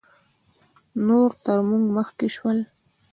نور تر موږ مخکې شول